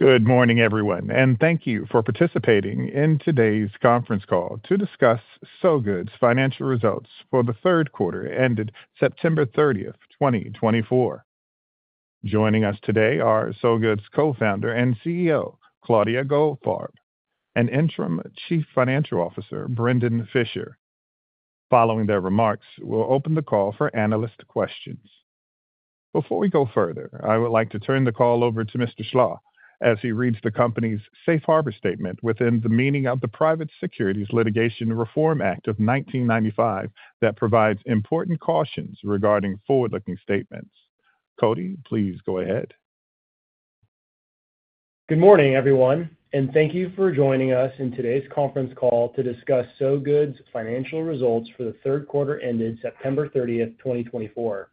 Good morning, everyone, and thank you for participating in today's conference call to discuss Sow Good's financial results for the third quarter ended September 30, 2024. Joining us today are Sow Good's Co-Founder and CEO, Claudia Goldfarb, and interim Chief Financial Officer, Brendon Fischer. Following their remarks, we'll open the call for analyst questions. Before we go further, I would like to turn the call over to Mr. Slach as he reads the company's safe harbor statement within the meaning of the Private Securities Litigation Reform Act of 1995 that provides important cautions regarding forward-looking statements. Cody, please go ahead. Good morning, everyone, and thank you for joining us in today's conference call to discuss Sow Good's financial results for the third quarter ended September 30, 2024.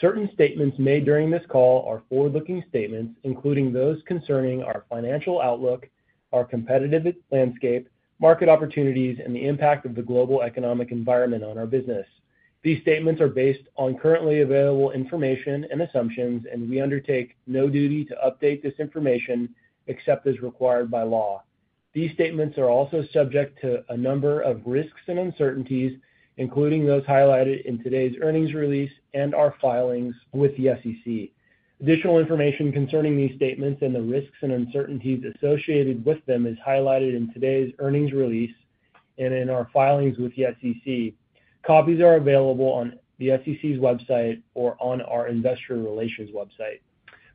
Certain statements made during this call are forward-looking statements, including those concerning our financial outlook, our competitive landscape, market opportunities, and the impact of the global economic environment on our business. These statements are based on currently available information and assumptions, and we undertake no duty to update this information except as required by law. These statements are also subject to a number of risks and uncertainties, including those highlighted in today's earnings release and our filings with the SEC. Additional information concerning these statements and the risks and uncertainties associated with them is highlighted in today's earnings release and in our filings with the SEC. Copies are available on the SEC's website or on our investor relations website.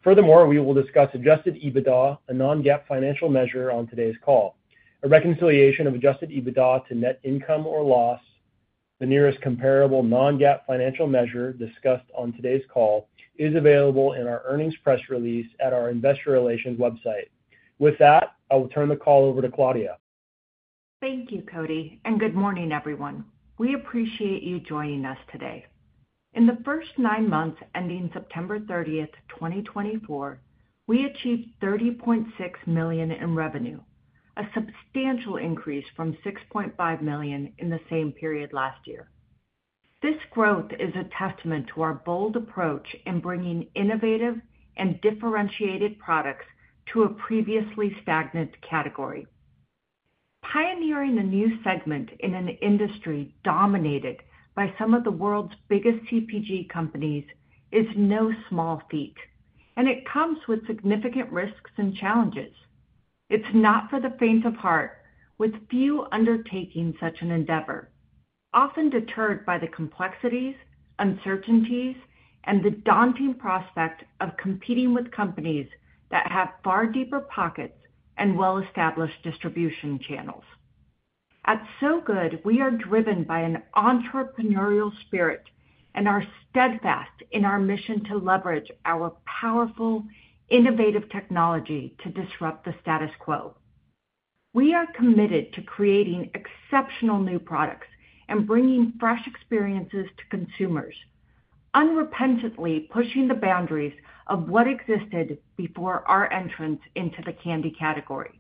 Furthermore, we will discuss Adjusted EBITDA, a non-GAAP financial measure on today's call. A reconciliation of Adjusted EBITDA to net income or loss, the nearest comparable non-GAAP financial measure discussed on today's call, is available in our earnings press release at our investor relations website. With that, I will turn the call over to Claudia. Thank you, Cody, and good morning, everyone. We appreciate you joining us today. In the first nine months ending September 30, 2024, we achieved $30.6 million in revenue, a substantial increase from $6.5 million in the same period last year. This growth is a testament to our bold approach in bringing innovative and differentiated products to a previously stagnant category. Pioneering a new segment in an industry dominated by some of the world's biggest CPG companies is no small feat, and it comes with significant risks and challenges. It's not for the faint of heart, with few undertaking such an endeavor, often deterred by the complexities, uncertainties, and the daunting prospect of competing with companies that have far deeper pockets and well-established distribution channels. At Sow Good, we are driven by an entrepreneurial spirit and are steadfast in our mission to leverage our powerful, innovative technology to disrupt the status quo. We are committed to creating exceptional new products and bringing fresh experiences to consumers, unrepentantly pushing the boundaries of what existed before our entrance into the candy category.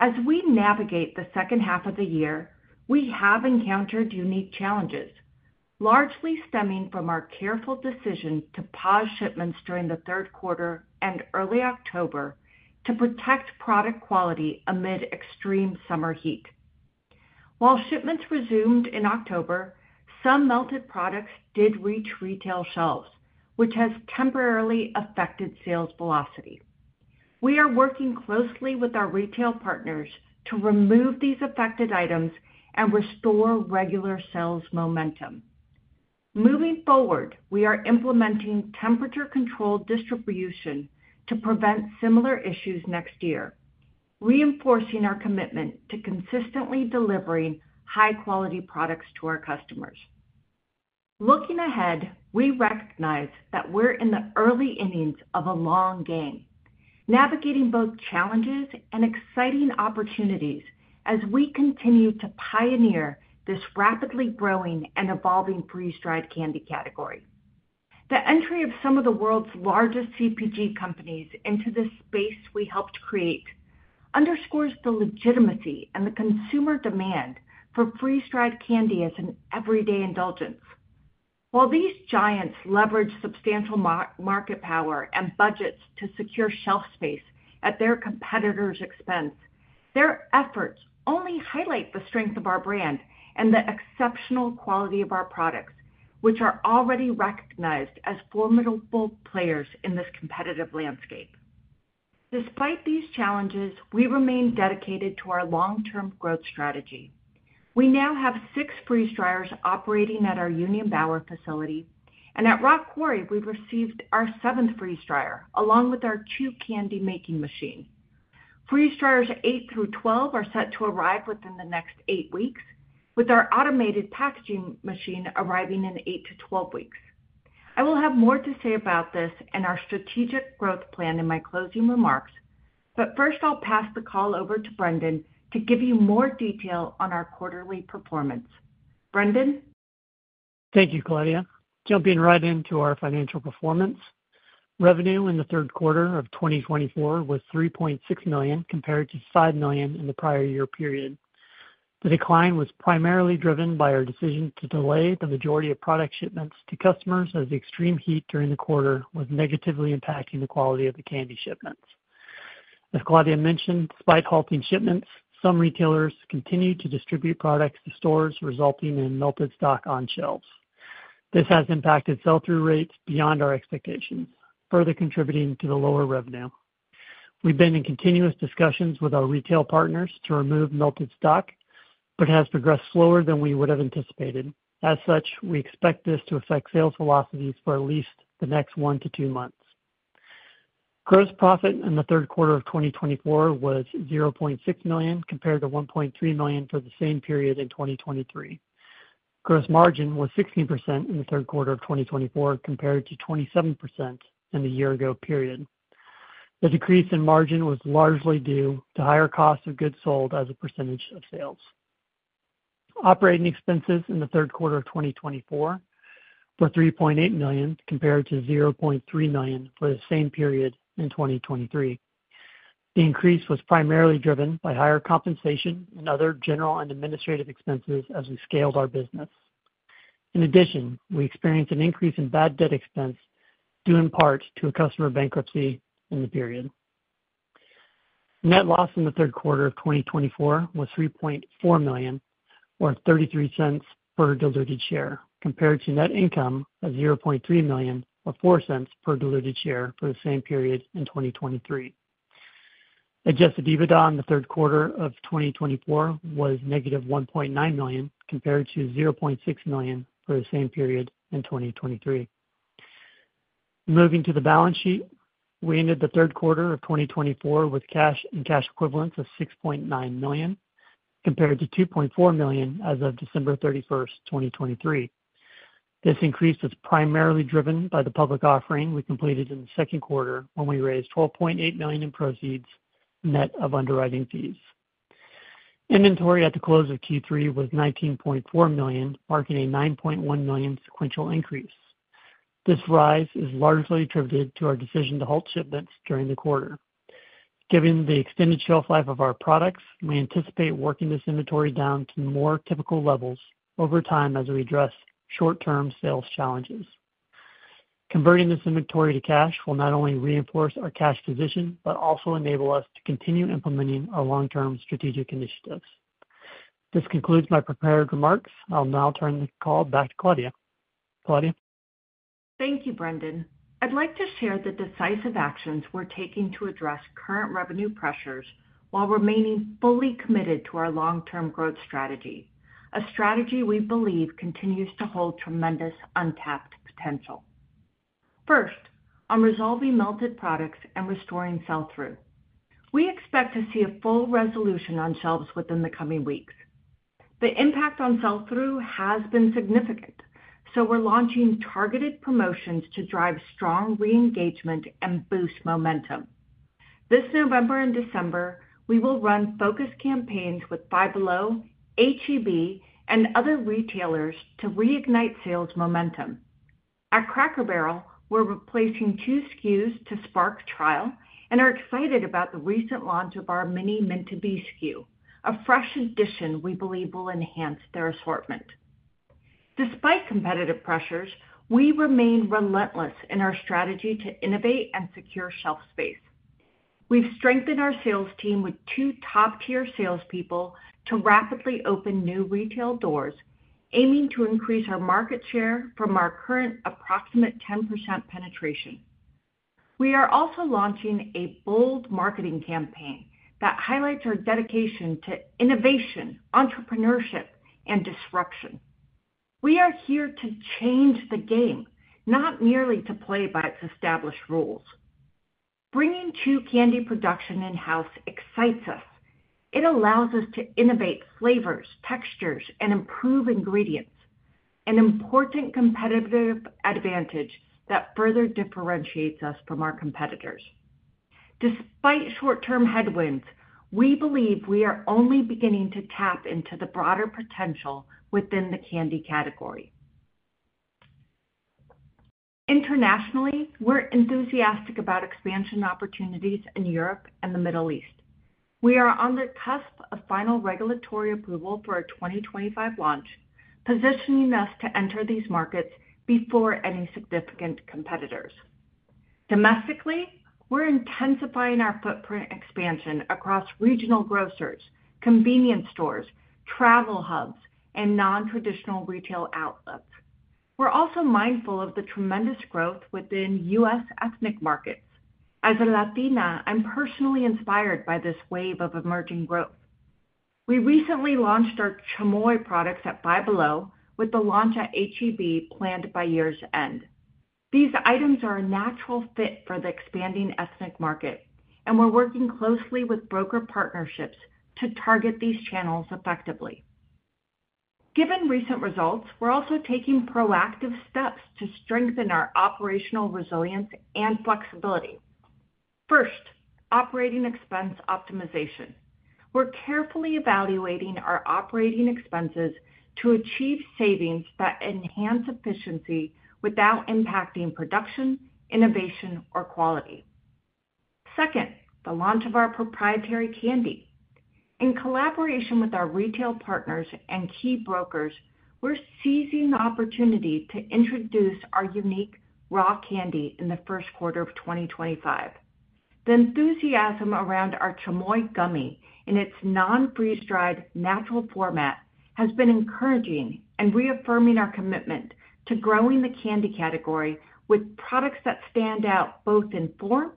As we navigate the second half of the year, we have encountered unique challenges, largely stemming from our careful decision to pause shipments during the third quarter and early October to protect product quality amid extreme summer heat. While shipments resumed in October, some melted products did reach retail shelves, which has temporarily affected sales velocity. We are working closely with our retail partners to remove these affected items and restore regular sales momentum. Moving forward, we are implementing temperature-controlled distribution to prevent similar issues next year, reinforcing our commitment to consistently delivering high-quality products to our customers. Looking ahead, we recognize that we're in the early innings of a long game, navigating both challenges and exciting opportunities as we continue to pioneer this rapidly growing and evolving freeze-dried candy category. The entry of some of the world's largest CPG companies into this space we helped create underscores the legitimacy and the consumer demand for freeze-dried candy as an everyday indulgence. While these giants leverage substantial market power and budgets to secure shelf space at their competitors' expense, their efforts only highlight the strength of our brand and the exceptional quality of our products, which are already recognized as formidable players in this competitive landscape. Despite these challenges, we remain dedicated to our long-term growth strategy. We now have six freeze dryers operating at our Union Bower facility, and at Rock Quarry, we've received our seventh freeze dryer along with our two candy making machines. Freeze dryers 8 through 12 are set to arrive within the next eight weeks, with our automated packaging machine arriving in eight to 12 weeks. I will have more to say about this and our strategic growth plan in my closing remarks, but first, I'll pass the call over to Brendon to give you more detail on our quarterly performance. Brendon. Thank you, Claudia. Jumping right into our financial performance, revenue in the third quarter of 2024 was $3.6 million compared to $5 million in the prior year period. The decline was primarily driven by our decision to delay the majority of product shipments to customers as the extreme heat during the quarter was negatively impacting the quality of the candy shipments. As Claudia mentioned, despite halting shipments, some retailers continued to distribute products to stores, resulting in melted stock on shelves. This has impacted sell-through rates beyond our expectations, further contributing to the lower revenue. We've been in continuous discussions with our retail partners to remove melted stock, but it has progressed slower than we would have anticipated. As such, we expect this to affect sales velocities for at least the next one to two months. Gross profit in the third quarter of 2024 was $0.6 million compared to $1.3 million for the same period in 2023. Gross margin was 16% in the third quarter of 2024 compared to 27% in the year-ago period. The decrease in margin was largely due to higher cost of goods sold as a percentage of sales. Operating expenses in the third quarter of 2024 were $3.8 million compared to $0.3 million for the same period in 2023. The increase was primarily driven by higher compensation and other general and administrative expenses as we scaled our business. In addition, we experienced an increase in bad debt expense due in part to a customer bankruptcy in the period. Net loss in the third quarter of 2024 was $3.4 million, or $0.33 per diluted share, compared to net income of $0.3 million, or $0.04 per diluted share for the same period in 2023. Adjusted EBITDA in the third quarter of 2024 was negative $1.9 million compared to $0.6 million for the same period in 2023. Moving to the balance sheet, we ended the third quarter of 2024 with cash and cash equivalents of $6.9 million compared to $2.4 million as of December 31, 2023. This increase was primarily driven by the public offering we completed in the second quarter when we raised $12.8 million in proceeds net of underwriting fees. Inventory at the close of Q3 was $19.4 million, marking a $9.1 million sequential increase. This rise is largely attributed to our decision to halt shipments during the quarter. Given the extended shelf life of our products, we anticipate working this inventory down to more typical levels over time as we address short-term sales challenges. Converting this inventory to cash will not only reinforce our cash position but also enable us to continue implementing our long-term strategic initiatives. This concludes my prepared remarks. I'll now turn the call back to Claudia. Claudia. Thank you, Brendon. I'd like to share the decisive actions we're taking to address current revenue pressures while remaining fully committed to our long-term growth strategy, a strategy we believe continues to hold tremendous untapped potential. First, on resolving melted products and restoring sell-through. We expect to see a full resolution on shelves within the coming weeks. The impact on sell-through has been significant, so we're launching targeted promotions to drive strong re-engagement and boost momentum. This November and December, we will run focus campaigns with Five Below, H-E-B, and other retailers to reignite sales momentum. At Cracker Barrel, we're replacing two SKUs to spark trial and are excited about the recent launch of our Mini Mint To Be SKU, a fresh addition we believe will enhance their assortment. Despite competitive pressures, we remain relentless in our strategy to innovate and secure shelf space. We've strengthened our sales team with two top-tier salespeople to rapidly open new retail doors, aiming to increase our market share from our current approximate 10% penetration. We are also launching a bold marketing campaign that highlights our dedication to innovation, entrepreneurship, and disruption. We are here to change the game, not merely to play by established rules. Bringing true candy production in-house excites us. It allows us to innovate flavors, textures, and improve ingredients, an important competitive advantage that further differentiates us from our competitors. Despite short-term headwinds, we believe we are only beginning to tap into the broader potential within the candy category. Internationally, we're enthusiastic about expansion opportunities in Europe and the Middle East. We are on the cusp of final regulatory approval for our 2025 launch, positioning us to enter these markets before any significant competitors. Domestically, we're intensifying our footprint expansion across regional grocers, convenience stores, travel hubs, and non-traditional retail outlets. We're also mindful of the tremendous growth within U.S. ethnic markets. As a Latina, I'm personally inspired by this wave of emerging growth. We recently launched our Chamoy products at Five Below, with the launch at H-E-B planned by year's end. These items are a natural fit for the expanding ethnic market, and we're working closely with broker partnerships to target these channels effectively. Given recent results, we're also taking proactive steps to strengthen our operational resilience and flexibility. First, operating expense optimization. We're carefully evaluating our operating expenses to achieve savings that enhance efficiency without impacting production, innovation, or quality. Second, the launch of our proprietary candy. In collaboration with our retail partners and key brokers, we're seizing the opportunity to introduce our unique raw candy in the first quarter of 2025. The enthusiasm around our Chamoy gummy in its non-freeze-dried natural format has been encouraging and reaffirming our commitment to growing the candy category with products that stand out both in form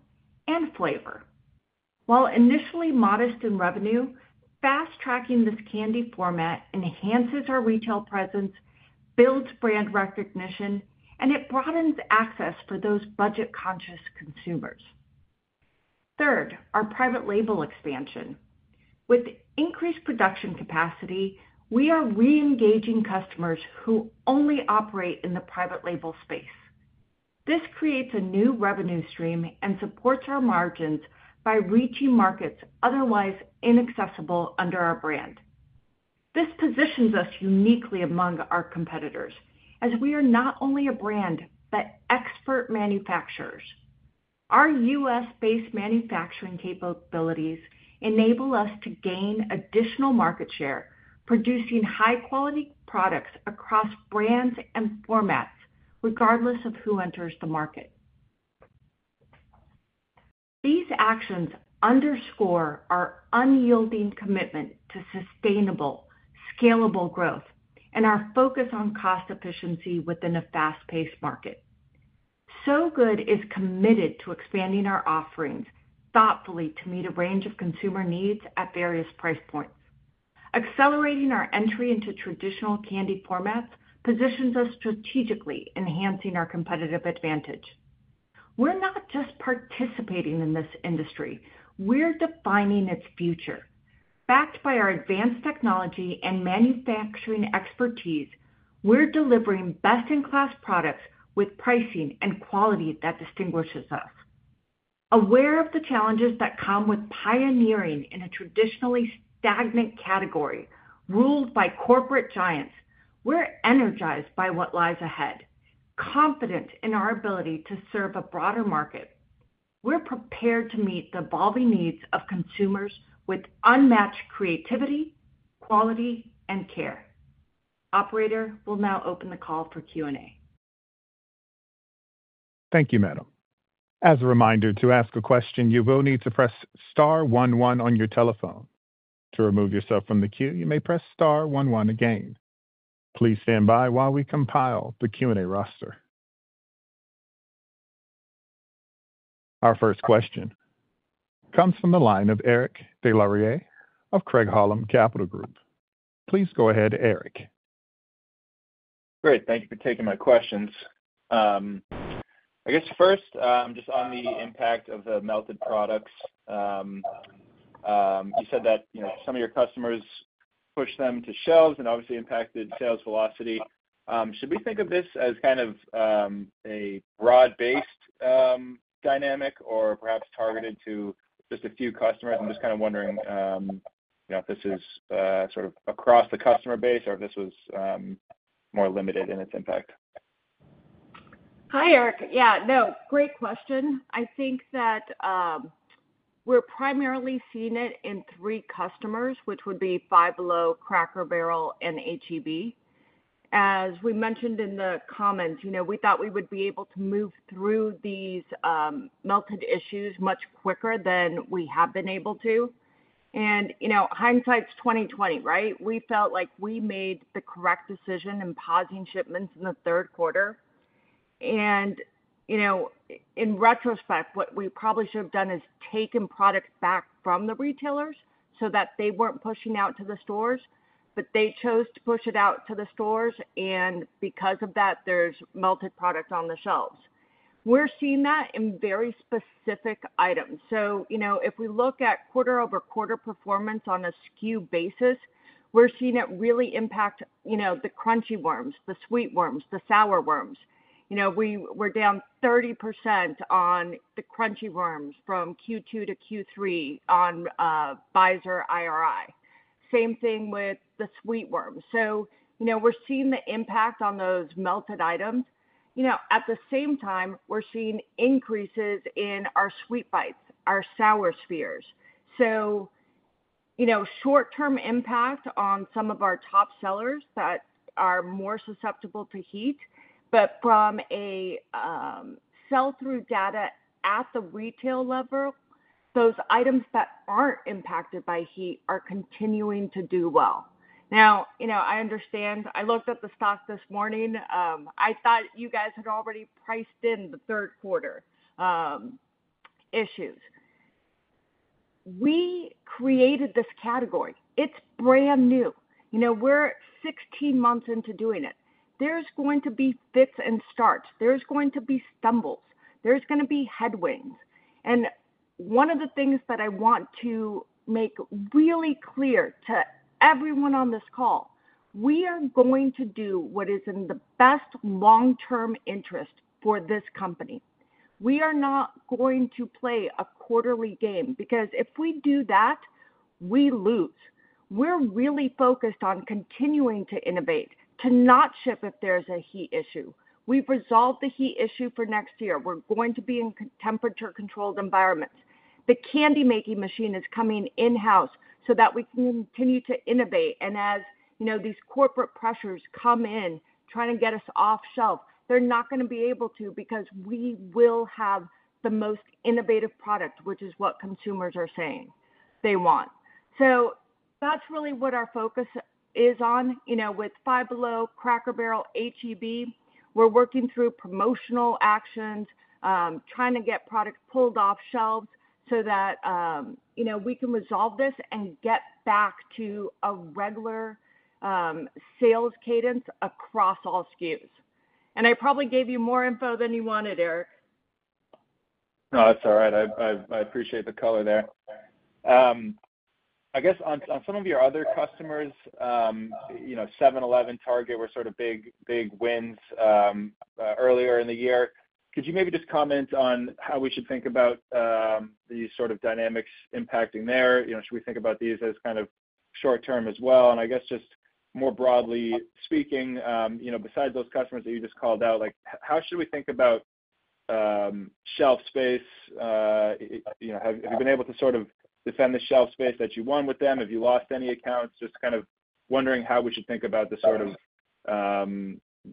and flavor. While initially modest in revenue, fast-tracking this candy format enhances our retail presence, builds brand recognition, and it broadens access for those budget-conscious consumers. Third, our private label expansion. With increased production capacity, we are re-engaging customers who only operate in the private label space. This creates a new revenue stream and supports our margins by reaching markets otherwise inaccessible under our brand. This positions us uniquely among our competitors, as we are not only a brand but expert manufacturers. Our U.S.-based manufacturing capabilities enable us to gain additional market share, producing high-quality products across brands and formats, regardless of who enters the market. These actions underscore our unyielding commitment to sustainable, scalable growth and our focus on cost efficiency within a fast-paced market. Sow Good is committed to expanding our offerings thoughtfully to meet a range of consumer needs at various price points. Accelerating our entry into traditional candy formats positions us strategically, enhancing our competitive advantage. We're not just participating in this industry. We're defining its future. Backed by our advanced technology and manufacturing expertise, we're delivering best-in-class products with pricing and quality that distinguishes us. Aware of the challenges that come with pioneering in a traditionally stagnant category ruled by corporate giants, we're energized by what lies ahead, confident in our ability to serve a broader market. We're prepared to meet the evolving needs of consumers with unmatched creativity, quality, and care. Operator will now open the call for Q&A. Thank you, Madam. As a reminder, to ask a question, you will need to press Star one one on your telephone. To remove yourself from the queue, you may press Star one one again. Please stand by while we compile the Q&A roster. Our first question comes from the line of Eric Des Lauriers of Craig-Hallum Capital Group. Please go ahead, Eric. Great. Thank you for taking my questions. I guess first, just on the impact of the melted products, you said that some of your customers push them to shelves and obviously impacted sales velocity. Should we think of this as kind of a broad-based dynamic or perhaps targeted to just a few customers? I'm just kind of wondering if this is sort of across the customer base or if this was more limited in its impact? Hi, Eric. Yeah, no, great question. I think that we're primarily seeing it in three customers, which would be Five Below, Cracker Barrel, and H-E-B. As we mentioned in the comments, we thought we would be able to move through these melted issues much quicker than we have been able to. And hindsight's 20/20, right? We felt like we made the correct decision in pausing shipments in the third quarter. And in retrospect, what we probably should have done is taken products back from the retailers so that they weren't pushing out to the stores, but they chose to push it out to the stores. And because of that, there's melted products on the shelves. We're seeing that in very specific items. So if we look at quarter-over-quarter performance on a SKU basis, we're seeing it really impact the Crunchy Worms, the Sweet Worms, the Sour Worms. We're down 30% on the Crunchy Worms from Q2 - Q3 on [by] IRI. Same thing with the Sweet Worms. So we're seeing the impact on those melted items. At the same time, we're seeing increases in our Sweet Bites, our Sour Spheres. So short-term impact on some of our top sellers that are more susceptible to heat. But from a sell-through data at the retail level, those items that aren't impacted by heat are continuing to do well. Now, I understand. I looked at the stock this morning. I thought you guys had already priced in the third quarter issues. We created this category. It's brand new. We're 16 months into doing it. There's going to be fits and starts. There's going to be stumbles. There's going to be headwinds. And one of the things that I want to make really clear to everyone on this call, we are going to do what is in the best long-term interest for this company. We are not going to play a quarterly game because if we do that, we lose. We're really focused on continuing to innovate, to not ship if there's a heat issue. We've resolved the heat issue for next year. We're going to be in temperature-controlled environments. The candy-making machine is coming in-house so that we can continue to innovate. And as these corporate pressures come in trying to get us off-shelf, they're not going to be able to because we will have the most innovative product, which is what consumers are saying they want. So that's really what our focus is on. With Five Below, Cracker Barrel, H-E-B, we're working through promotional actions, trying to get products pulled off shelves so that we can resolve this and get back to a regular sales cadence across all SKUs. And I probably gave you more info than you wanted, Eric. No, that's all right. I appreciate the color there. I guess on some of your other customers, 7-Eleven, Target were sort of big wins earlier in the year. Could you maybe just comment on how we should think about these sort of dynamics impacting there? Should we think about these as kind of short-term as well? And I guess just more broadly speaking, besides those customers that you just called out, how should we think about shelf space? Have you been able to sort of defend the shelf space that you won with them? Have you lost any accounts? Just kind of wondering how we should think about the sort of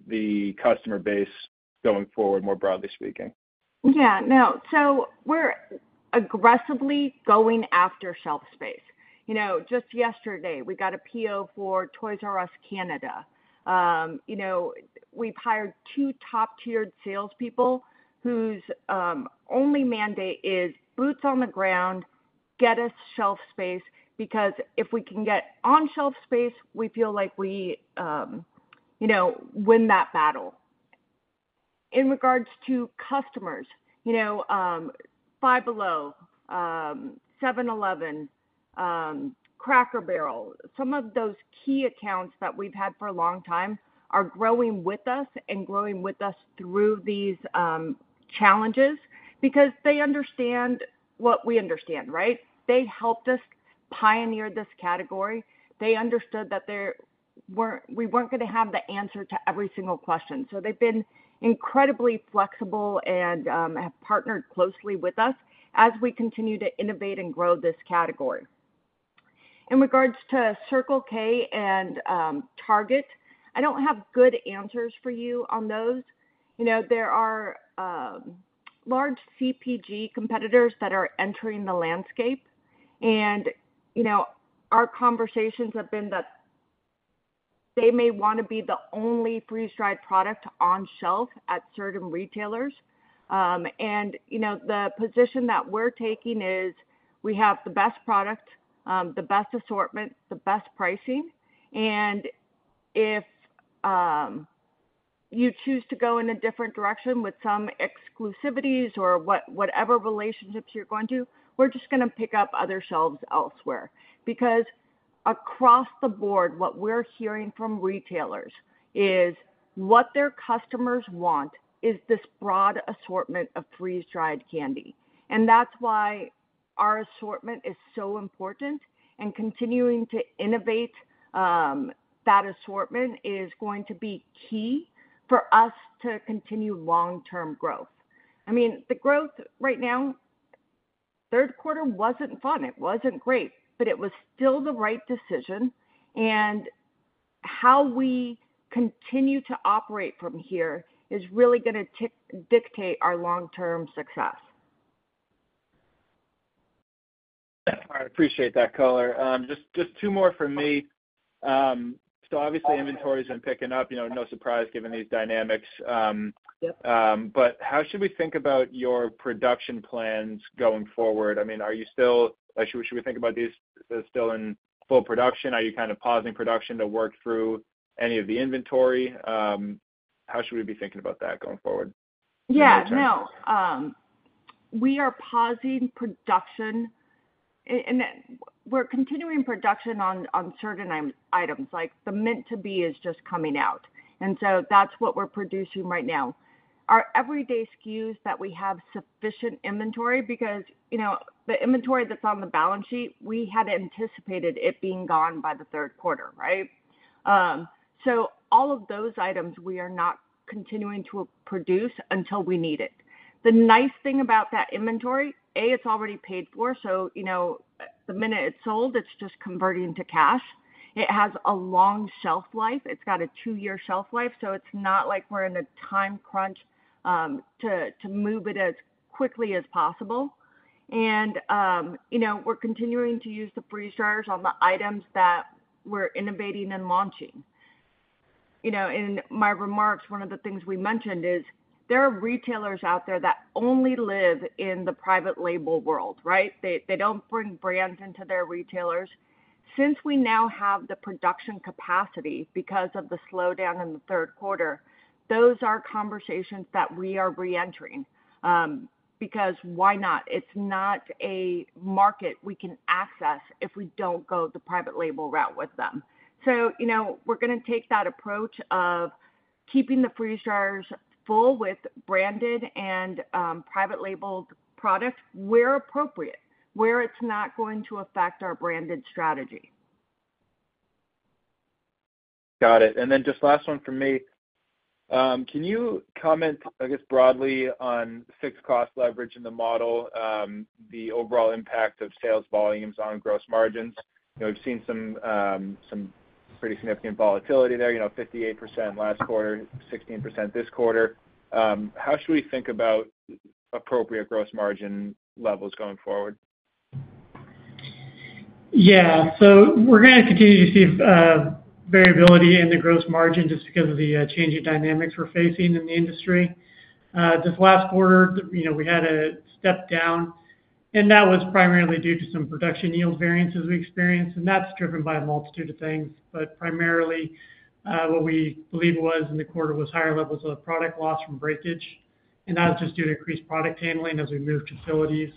the customer base going forward, more broadly speaking. Yeah. No. So we're aggressively going after shelf space. Just yesterday, we got a PO for Toys "R" Us Canada. We've hired two top-tiered salespeople whose only mandate is boots on the ground, get us shelf space, because if we can get on-shelf space, we feel like we win that battle. In regards to customers, Five Below, 7-Eleven, Cracker Barrel, some of those key accounts that we've had for a long time are growing with us and growing with us through these challenges because they understand what we understand, right? They helped us pioneer this category. They understood that we weren't going to have the answer to every single question. So they've been incredibly flexible and have partnered closely with us as we continue to innovate and grow this category. In regards to Circle K and Target, I don't have good answers for you on those. There are large CPG competitors that are entering the landscape. And our conversations have been that they may want to be the only freeze-dried product on shelf at certain retailers. And the position that we're taking is we have the best product, the best assortment, the best pricing. And if you choose to go in a different direction with some exclusivities or whatever relationships you're going to, we're just going to pick up other shelves elsewhere. Because across the board, what we're hearing from retailers is what their customers want is this broad assortment of freeze-dried candy. And that's why our assortment is so important. And continuing to innovate that assortment is going to be key for us to continue long-term growth. I mean, the growth right now, third quarter wasn't fun. It wasn't great, but it was still the right decision. How we continue to operate from here is really going to dictate our long-term success. I appreciate that, Color. Just two more from me, so obviously, inventory has been picking up. No surprise given these dynamics, but how should we think about your production plans going forward? I mean, should we think about these still in full production? Are you kind of pausing production to work through any of the inventory? How should we be thinking about that going forward? Yeah. No. We are pausing production. And we're continuing production on certain items. The Mini Mint to Be is just coming out. And so that's what we're producing right now. Our everyday SKUs that we have sufficient inventory because the inventory that's on the balance sheet, we had anticipated it being gone by the third quarter, right? So all of those items, we are not continuing to produce until we need it. The nice thing about that inventory, A, it's already paid for. So the minute it's sold, it's just converting to cash. It has a long shelf life. It's got a two-year shelf life. So it's not like we're in a time crunch to move it as quickly as possible. And we're continuing to use the freeze dryers on the items that we're innovating and launching. In my remarks, one of the things we mentioned is there are retailers out there that only live in the private label world, right? They don't bring brands into their retailers. Since we now have the production capacity because of the slowdown in the third quarter, those are conversations that we are re-entering because why not? It's not a market we can access if we don't go the private label route with them. So we're going to take that approach of keeping the freeze dryers full with branded and private labeled products where appropriate, where it's not going to affect our branded strategy. Got it. And then just last one from me. Can you comment, I guess, broadly on fixed cost leverage in the model, the overall impact of sales volumes on gross margins? We've seen some pretty significant volatility there, 58% last quarter, 16% this quarter. How should we think about appropriate gross margin levels going forward? Yeah. So we're going to continue to see variability in the Gross Margin just because of the changing dynamics we're facing in the industry. This last quarter, we had a step down. And that was primarily due to some production yield variances we experienced. And that's driven by a multitude of things. But primarily, what we believe was in the quarter was higher levels of product loss from breakage. And that was just due to increased product handling as we moved facilities.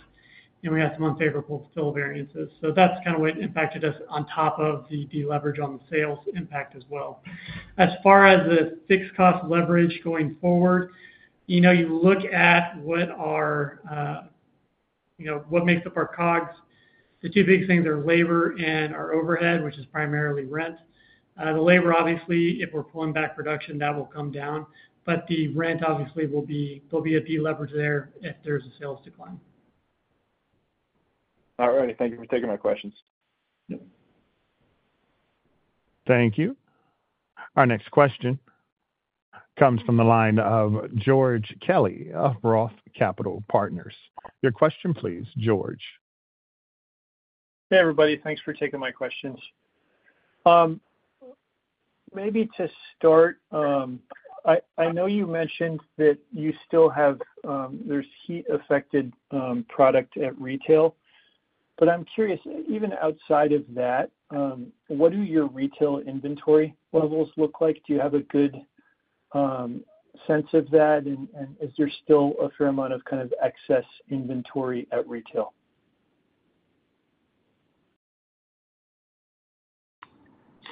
And we had some unfavorable fill variances. So that's kind of what impacted us on top of the leverage on the sales impact as well. As far as the fixed cost leverage going forward, you look at what makes up our COGS. The two big things are labor and our overhead, which is primarily rent. The labor, obviously, if we're pulling back production, that will come down. But the rent, obviously, will be a deleverage there if there's a sales decline. All righty. Thank you for taking my questions. Thank you. Our next question comes from the line of George Kelly of Roth Capital Partners. Your question, please, George. Hey, everybody. Thanks for taking my questions. Maybe to start, I know you mentioned that you still have; there's heat-affected product at retail. But I'm curious, even outside of that, what do your retail inventory levels look like? Do you have a good sense of that? And is there still a fair amount of kind of excess inventory at retail?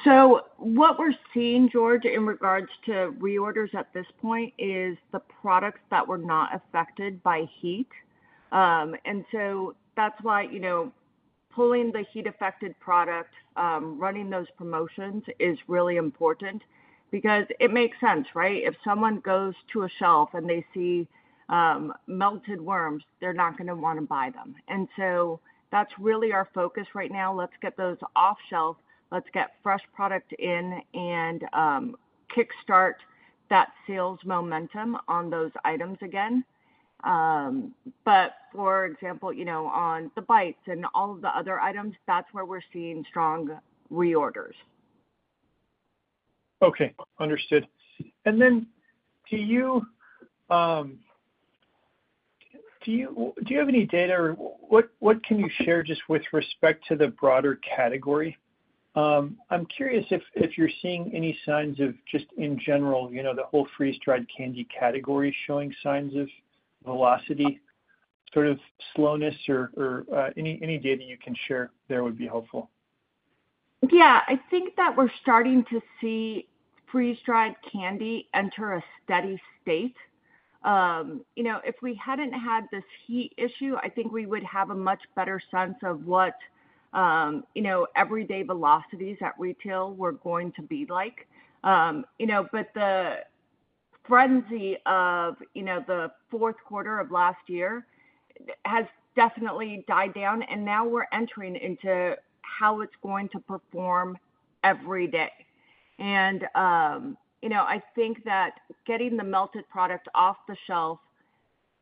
So what we're seeing, George, in regards to reorders at this point is the products that were not affected by heat. And so that's why pulling the heat-affected product, running those promotions is really important because it makes sense, right? If someone goes to a shelf and they see melted worms, they're not going to want to buy them. And so that's really our focus right now. Let's get those off-shelf. Let's get fresh product in and kickstart that sales momentum on those items again. But for example, on the bites and all of the other items, that's where we're seeing strong reorders. Okay. Understood. And then do you have any data or what can you share just with respect to the broader category? I'm curious if you're seeing any signs of just, in general, the whole freeze-dried candy category showing signs of velocity, sort of slowness, or any data you can share there would be helpful. Yeah. I think that we're starting to see freeze-dried candy enter a steady state. If we hadn't had this heat issue, I think we would have a much better sense of what everyday velocities at retail were going to be like. But the frenzy of the fourth quarter of last year has definitely died down. And now we're entering into how it's going to perform every day. And I think that getting the melted product off the shelf,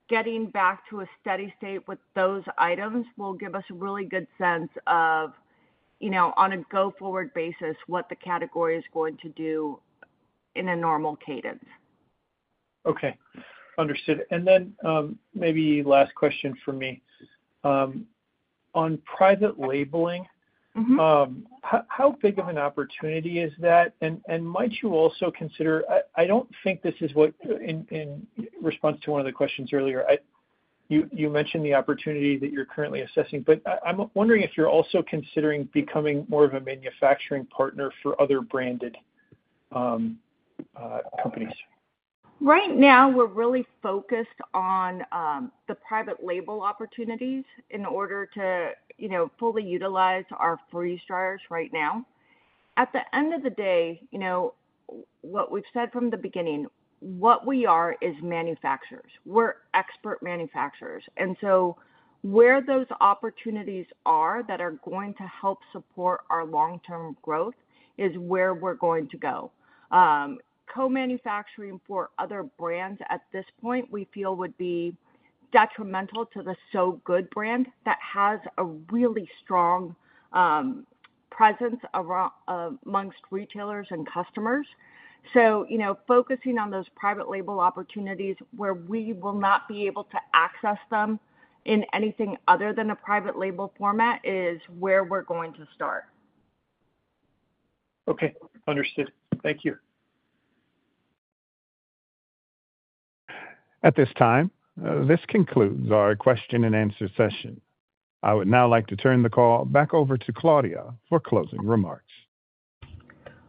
getting back to a steady state with those items will give us a really good sense of, on a go-forward basis, what the category is going to do in a normal cadence. Okay. Understood, and then maybe last question for me. On private labeling, how big of an opportunity is that? And might you also consider? I don't think this is what, in response to one of the questions earlier, you mentioned the opportunity that you're currently assessing. But I'm wondering if you're also considering becoming more of a manufacturing partner for other branded companies. Right now, we're really focused on the private label opportunities in order to fully utilize our freeze dryers right now. At the end of the day, what we've said from the beginning, what we are is manufacturers. We're expert manufacturers. And so where those opportunities are that are going to help support our long-term growth is where we're going to go. Co-manufacturing for other brands at this point, we feel, would be detrimental to the Sow Good brand that has a really strong presence among retailers and customers. So focusing on those private label opportunities where we will not be able to access them in anything other than a private label format is where we're going to start. Okay. Understood. Thank you. At this time, this concludes our question-and-answer session. I would now like to turn the call back over to Claudia for closing remarks.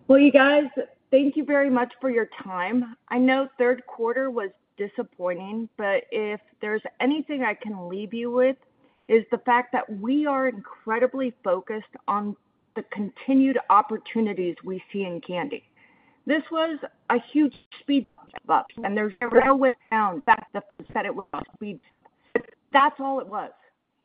Well, you guys, thank you very much for your time. I know third quarter was disappointing, but if there's anything I can leave you with is the fact that we are incredibly focused on the continued opportunities we see in candy. This was a huge speed bump, and there's no way around that it was a speed bump. That's all it was.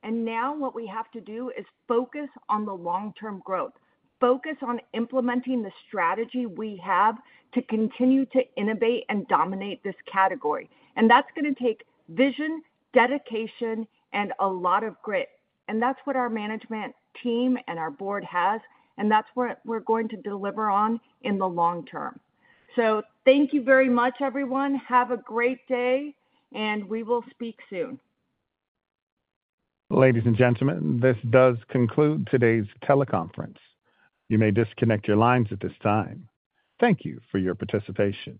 And now what we have to do is focus on the long-term growth, focus on implementing the strategy we have to continue to innovate and dominate this category. And that's going to take vision, dedication, and a lot of grit. And that's what our management team and our board has. And that's what we're going to deliver on in the long term. So thank you very much, everyone. Have a great day, and we will speak soon. Ladies and gentlemen, this does conclude today's teleconference. You may disconnect your lines at this time. Thank you for your participation.